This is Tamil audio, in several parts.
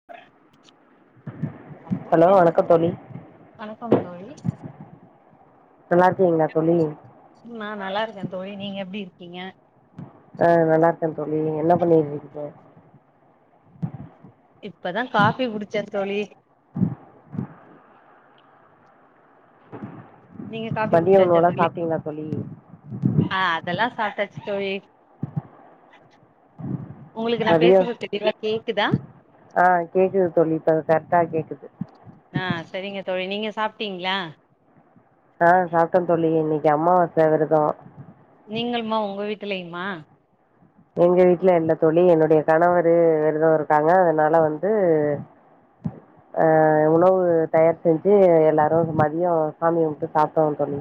[unintelligible] ஹலோ வணக்க தோழி வணக்கம் தோழி நல்லா இருக்கீங்களா தோழி ம் நா நல்லா இருக்கே தோழி நீங்க எப்டி இருக்கீங்க ஆ நல்லா இருக்கே தோழி நீங்க என்ன பண்ணிக்கிட்டுருக்கீங்க இப்பதா காஃபி குடிச்சே தோழி நீங்க காஃபி மதிய குடிச்சாச்ச உணவுலா தோழி சாப்ட்டீங்களா தோழி ஆ அதெல்லா சாப்ட்டாச்சு தோழி உங்களுக்கு நா மதிய பேசறது தெளிவா கேக்குதா ஆ கேக்குது தோழி இப்ப கரெக்டா கேக்குது ஆ செரிங்க தோழி நீங்க சாப்ட்டீங்களா ஆ சாப்ட்டே தோழி இன்னைக்கி அமாவாச விருதோ நீங்களுமா உங்க வீட்டிலயுமா எங்க வீட்ல இல்ல தோழி என்னுடைய கணவரு விருதோ இருக்காங்க அதனால வந்து [unintelligible] அ உணவு தயார் செஞ்சு எல்லாரு மதியோ சாமி கும்பிட்டு சாப்ட்டோ தோழி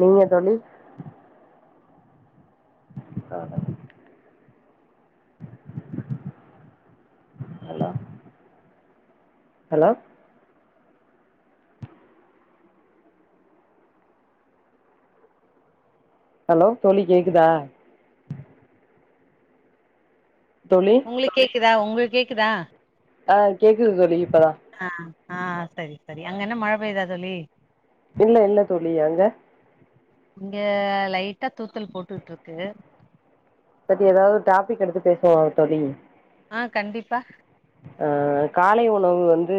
நீங்க தோழி [unintelligible] ஹலோ ஹலோ ஹலோ தோழி கேக்குதா தோழி தோழி கேக்குதா உங்களுக்கு கேக்குதா ஆ கேக்குது தோழி இப்பதா ஆ ஆ சேரி சேரி அங்க என்ன மழ பெய்தா தோழி இல்ல இல்ல தோழி அங்க இங்க லைட்டா தூத்தல் போட்டுட்டு இருக்கு பத்தி எதாவுது டாப்பிக் எடுத்து பேசுவோ தோழி ஆ கண்டிப்பா ஆ காலை உணவு வந்து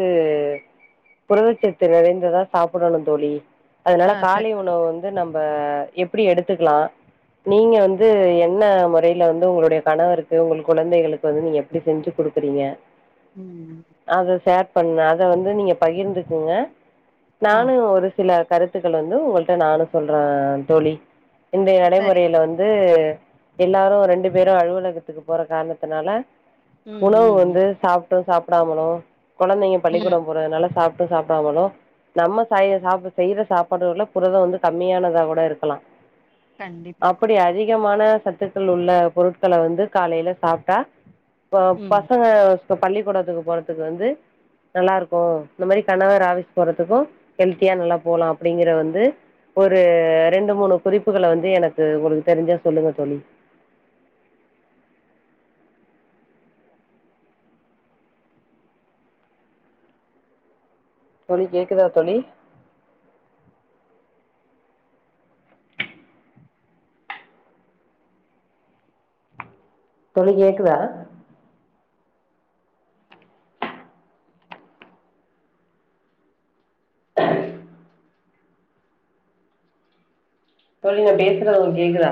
புரதச்சத்து நிறைந்ததா சாப்பிடணு தோழி அதனால ஆ சரி காலை உணவு வந்து வந்து நம்ம எப்டி எடுத்துக்குலா நீங்க வந்து என்ன முறையில வந்து உங்களுடைய கணவருக்கு உங்க குழந்தைகளுக்கு வந்து நீங்க எப் எப்டி செஞ்சு குடுக்குறீங்க ம் அத ஷேர் பண்ணா அத வந்து நீங்க பகிர்ந்துக்குங்க ஆ நானு ஒரு சில கருத் த்துக்கள் வந்து உங்களிட்ட நானு சொல்றே தோழி இன்றைய சரி நடைமுறையில வந்து எல்லாரு ரெண்டு பேரு அலுவலகத்துக்கு போற காரணத்தினால ம் உணவு ம் ம் வந்து சாப்பிட்டு சாப்பிடாமலு கொழந்தைங்க ம் பள்ளிக்கூடோ போறதுனால சாப்ட்டு சாப்பிடாமலு நம்ம சாய செய்யற சாப்பாடுல புரதோ வந்து கம்மியானதா கூட இருக்கலா கண்டிப்பா அப்டி அதிகமான சத் த்துக்கள் உள்ள பொருட்களை வந்து காலையில சாப்ட்டா ம் பசங்க இப்ப பள்ளிக்கூடத்துக்கு போறதுக்கு வந்து நல்லா இருக்கு இந்த மாரி கணவர் ஆஃபீஸ் போறதுக்கு ஹெல்த்தியா நல்லா போலா அப்டிங்குற வந்து ஒரு ரெண்டு மூணு குறிப்புகளை வந்து எனக்கு உங்களுக்கு தெரிஞ்சா சொல்லுங்க தோழி தோழி கேக்குதா தோழி தோழி கேக்குதா [unintelligible] தோழி நா பேசுறது உங்களுக்கு கேக்குதா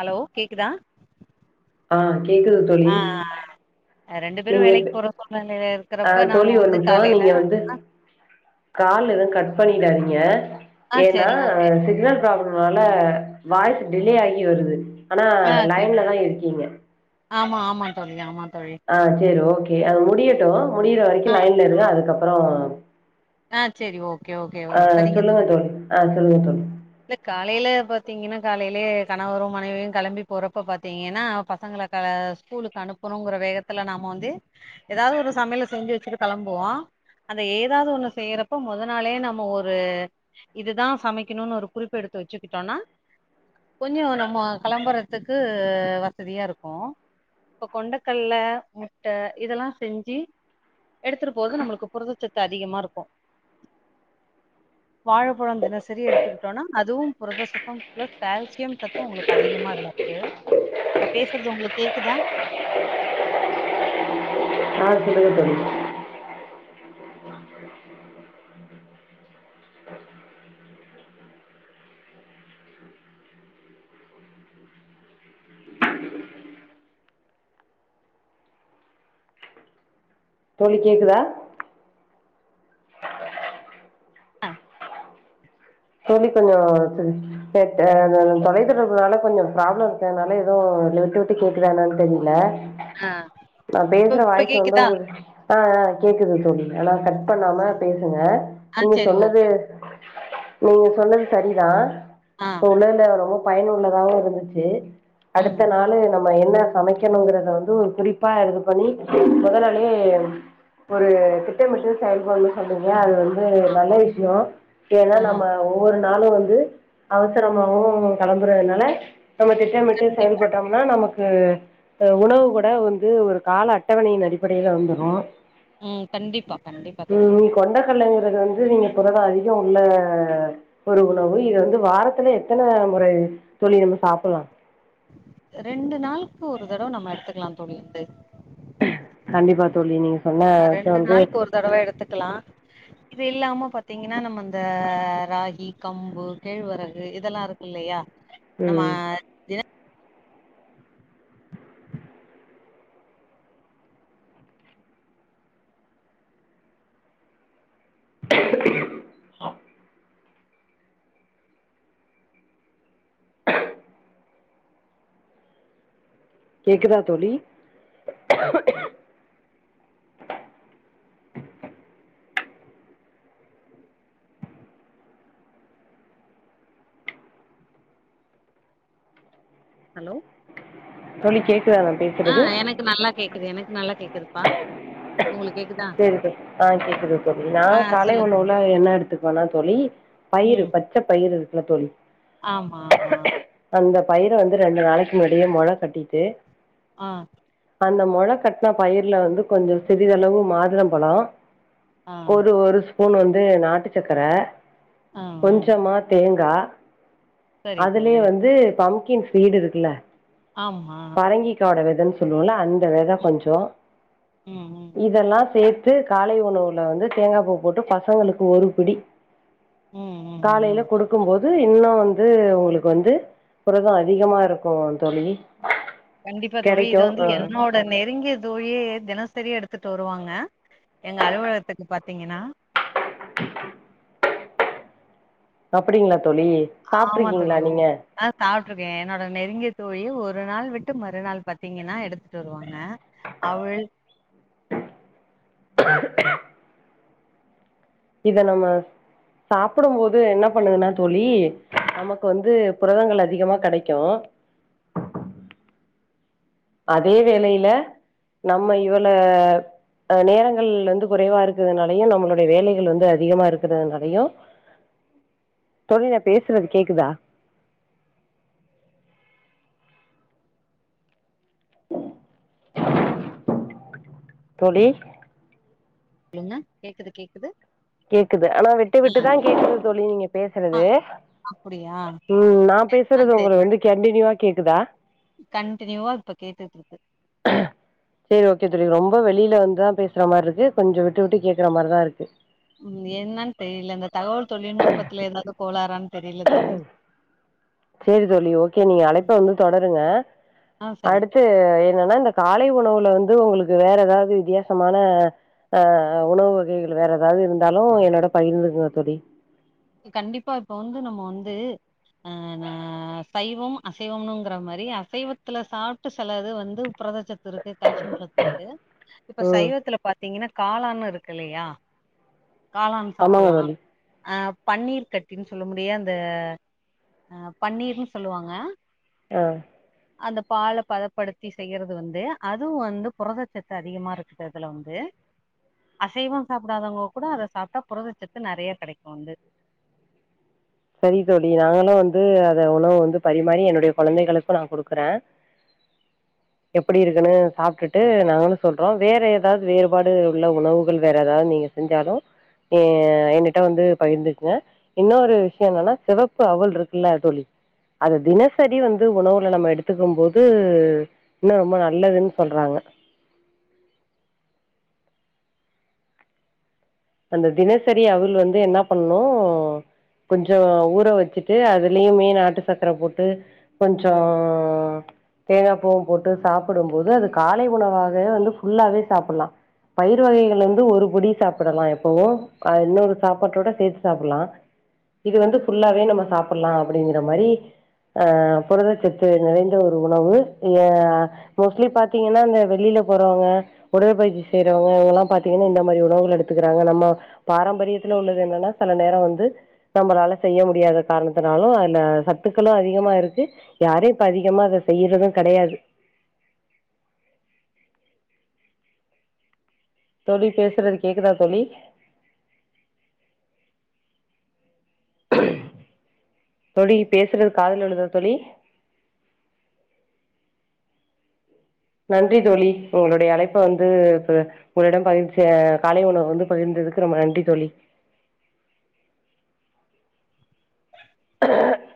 ஹலோ கேக்குதா ஆ கேக்குது தோழி ஆ ரெண்டு பேரு நீங்க வேலைக்கு போற சூழ்நிலையில ஆ இருக்குறப்ப தோழி நாம ஒரு வந்து நிமிஷோ காலையில நீங்க வந்து கால் எது கட் பண்ணிடாதீங்க ஆ ஏனா சரி ஓகே சிக்னல் ப்ளாபம்னால வாய்ஸ் டிலே ஆகி வருது ஆனா ஆ சரி லைன்ல தா இருக்கீங்க ஆமா ஆமா தோழி ஆமா தோழி ஆ சேரி ஓகே அது முடியட்டு முடியிற வரைக்கு ஆ லைன்ல இருங்க அதுக்கப்பறோ ஆ செரி ஓகே ஓகே ஒ செரிங்க தோ சொல்லுங்க தோழி ஆ சொல்லுக தோழி இல்ல காலையில பாத்திங்கன்னா காலையிலயே கணவரு மனைவியு கெளம்பி போறப்ப பாத்திங்கன்னா பசங்கள கா ஸ்கூலுக்கு அனுப்பணுங்கற வேகத்துல நாம வந்து எதாவது ஒரு சமையல செஞ்சு வெச்சுட்டு கெளம்புவோ அந்த ஏதாவது ஒண்ணு செய்யறப்ப மொதனாளே நம்ம ஒரு இதுதா சமைக்கணுன்னு ஒரு குறிப்பு எடுத்து வெச்சுக்கிட்டோன்னா கொஞ்சோ நம்ம களம்பறத்துக்கு வசதியா இருக்கு இப்ப கொண்டக்கடல முட்ட இதல்லா செஞ்சி எடுத்துட்டு போறது நம்மளுக்கு புரதச்சத்து அதிகமா இருக்கு வாழப்பழோ தினசரி எடுத்துக் ட்டோனா அதுவு புரதசத்து பிளஸ் கேல்சியம் சத்து உங்களுக்கு அதிகமா அதுல இருக்கு நா பேசறது உங்களுக்கு கேக்குதா ஆ சொல்லுங்க தோழி தோழி கேக்குதா அ தோழி கொஞ்சோ [unintelligible] செட்டு அந்தந்த தொலைத் தொடர்புனால கொஞ்சோ ப்ராப்ளம் இருக்கர்துனால எதோ அதுல விட்டு விட்டு கேக்குத்தா என்னனு தெரில நா இப்ப பேஸ்ற இப்ப வாய்ஸ் வந்து கேக்குதா உங்களுக் அ அ கேக்குது தோழி அனா கட் பண்ணாம பேசுங்க ஆ நீங்க சரி சொன்னது ஓகே நீங்க சொன்னது சரிதா ஆ இப்ப உள்ளந்த ரொம்ப பயனுள்ளதாவு இருந்துச்சு ம் அடுத்த நாளு நம் ம என்ன சமைக்கணுங்கறத வந்து ஒரு குறிப்பா எடது பண்ணி மொத நாளே ஒரு திட்டமிட்டு செயல்படுனு சொன்னீங்க அது வந்து ஆமா. நல்ல விஷயோ ஏன்னா ஆ நம்ம ஒவ்வொரு நாளு வந்து அவசரமாவு களம்பறதுனால நம்ம திட்டமிட்டு கண்டிப்பா செயல்பட் டம்ன்னா நமக்கு அ உணவு கூட வந்து ஒரு கால அட்டவணையின் அடிப்படையில வந்துரு ம் கண்டிப்பா கண்டிப்பா தோழி கொண்டக்கடலைங்கறது வந்து நீங்க புரதோ அதிகோ உள்ள ஒரு உணவு இது வந்து வாரத்துல எத் தன முறை தோழி நம்ம சாப்புலா ரெண்டு நாளுக்கு ஒரு தடவ நம்ம எடுத்துக்கலா தோழி வந்து கண்டிப்பா தோழி நீங்க நா ரெண்டு நாள்க்கு ஒரு தடவ எடுத்துக்கலா இது இல்லாம பாத்திங்கன்னா நம்ம அந்த ராகி கம்பு கேழ்வரகு இதல்லா இருக் குல்லயா நம்ம ம் கேக்குதா தோழி ஹலோ தோழி கேக்குதா நா பேசுறது கு நல்லா கேக்குது எனக்கு நல்லா கேக்குதுப்பா உங்களுக் கேக்குதா கேக்குது அ கேக்குது தோழி நா ஆ காலை சொல்லுங்க உணவுலா என்ன எடுத்துக்குவனா தோழி பயிறு பச்சப் பயிறு இருக்குல்ல தோழி அம்மா ஆமா அந்த பயர வந்து ரெண்டு நாளைக்கு முன்னாடியே மொளக் கட்டீட்டு ஆ அந்த மொளக்கட்ன பயிர்ல வந்து கொஞ்சோ சிறிதளவு மாதுளம்பழோ ஆ ஒரு ஒரு ஸ்பூன் வந்து நாட்டு சக்கர ஆ ம் கொஞ்சமா தேங்கா சரி அதுலயே தோழி வந்து பம்கின் சீடு இருக்குல்ல ஆமா பரங்கிக்காவோட வெதன்னு சொல்லுவோல அந்த வெதக் கொஞ்சோ ம் ம் இதெல்லா சேத் து காலை உணவுல வந்து தேங்காப் பூ போட்டு பசங்களுக்கு ஒரு பிடி ம் ம் காலையில ம் குடுக் கும்போது இன்னு வந்து ஒங்களுக்கு வந்து புரதோ அதிகமா இருக்கு தோழி கண்டிப்பா தோழி கெடைக்கு இது வந்து ஆ என்னோ ட நெருங்கிய தோழியே தினசரி எடுத்துட்டு வருவாங்க எங்க அலுவலகத்துக்கு பாத்தீங்கன்னா அப்டிங்களா தோழி ஆமா சாப்ட்ருக்கீங்களா தோழி ஒ நீங்க அ சாப்ட்டுருக்கே என்னோட நெருங்கிய தோழி ஒரு நாள் விட்டு மறுநாள் பாத்தீங்கன்னா எடுத்துட்டு வருவாங்க அவல் இத நம்ம சாப்டும் போது என்ன பண்ணுதுன்னா தோழி நமக்கு வந்து புரதங்கள் அதிகமா கெடைக்கு அதே வேலையில நம்ம இவள ஆ நேரங்கள் வந்து குறைவா இருக்குறதுனாலயு நம்மளுடைய வேலைகள் வந்து அதிகமா இருக்கிறதுனாலயு தோழி நா பேசுறது கேக்குதா தோழி சொல்லுங்க கேக்குது கேக்குது கேக்குது ஆனா விட்டு ஆ விட்டுதா கேக் கேக்குது தோழி நீங்க ஆ பேசறது அப்டியா ஆ ம் நா பேசுறது ஒங்களுக்கு சரி வந்து கண்டினியூவா கேக்குதா கண்டினியூவா இப்ப கேட்டுட்ருக்கு சேரி ஓகே தோழி ரொம்ப வெளியில வந்துதா பேசுற மாரி இருக்கு கொஞ்சோ விட்டு விட்டு கேக்குற மாரிதா இருக்கு ம் என்னனு தெரியல இந்த தகவல் தொழில்நுட்பத்துல ஏதாவுது கோளாறான்னு தெரியில தோழி சேரி தோழி ஓகே நீங்க அழைப்ப வந்து தொடருங்க ஆ சரி அடுத் து என்னன்னா இந்த காலை உணவுல வந்து ஒங்களுக்கு வேற ஏதாவுது வித்யாசமான ஆ உணவு வகைகள் வேற ஏதாவுது இருந்தாலு என்னோட பகிர்ந்துக்குங்க தோழி கண்டிப்பா இப்ப வந்து நம்ம வந்து ஆ நா சைவம் அசைவம்னுங்கிற மாரி அசைவத்துல சாப்டு செலது வந்து புரதச்சத் துருக்கு கால்சியம் சத்து இருக்கு இப்ப ம் சைவத்துல பாத்தீங்கன்னா காளான்னு இருக்கு இல்லையா காளான் ஆமாங்க சாப்லா தோழி அப் பன்னீர் கட்டின்னு சொல்ல முடிய இந்த அ பன்னீர்ன்னு சொல்லுவாங்க ஓ அந்த பால பதப்படுத்தி செய்யறது வந்து அதுவு வந்து புரதச்சத்து அதிகமா இருக்கதுல வந்து அசைவம் சாப்டாதவங்க கூட அத சாப்ட்டா புரதச்சத்து நெறையா கெடைக்கு வந்து சரி தோழி நாங்களு வந்து அத உணவு வந்து பரிமாறி என்னுடைய கொழந்தைகளுக்கு நா குடுக்குற எப்டி இருக்குன்னு சாப்டுட்டு நாங்களு சொல்றோ வேற ஏதாவுது வேறுபாடு உள்ள உணவுகள் வேற ஏதாவுது நீங்க செஞ்சாலு எ என்னிட்ட வந்து பகிர்ந்துக்குங்க இன்னொரு என்னன்னா சிவப்பு அவுல் இருக்குல்ல தோழி அது தினசரி வந்து உணவுல நம்ம எடுத்துக்கும் போது இன்னு ரொம்ப நல்லதுனு சொல்றாங்க அந்த தினசரி அவுல் வந்து என்ன பண்ணு கொஞ்சோ ஊற வச்சிட்டு அதுலயுமே நாட்டு சக்கர போட்டு கொஞ்சோ தேங்கா பூவு போட்டு சாப்புடும் போது அது காலை உணவாகவே வந்து ஃபுல்லாவே சாப்பலா பயிரு வகைகள் வந்து ஒரு புடி சாப்டலா எப் பவு இன்னொரு சாப்பாட்டோட சேத்து சாப்புலா இது வந்து ஃபுல்லாவே நம்ம சாப்ட்லா அப்டிங்கிற மாரி ஆ புரதச்சத்து நிறைந்த ஒரு உணவு யா மோஸ்ட்லி பாத்தீங்கன்னா இந்த வெளியில போறவங்க உடற்பயிற்சி செய்றவங்க இவங்கள்லா பாத்தீங்கன்னா இந்த மாரி உணவுகள் எடுத்து க்குறாங்க நம்ம பாரம்பரியத்துல உள்ளது என்னன்னா செல நேர வந்து நம்மளால செய்ய முடியாத காரணத்தினாலு அதுல சத்துக்களு அதிகமா இருக்கு யாரு இப்ப அதிகமா அத செய்றது கெடையாது தோழி பேசுறது கேக்குதா தோழி தோழி பேசுறது காதுல விழுதா தோழி நன்றி தோழி உங்களுடைய அழைப்ப வந்து [unintelligible] உங்களிடம் பகிர்ச்ச காலை உணவு வந்து பகிர்ந்ததுக்கு ரொம்ப நன்றி தோழி [inaudible] [inaudible]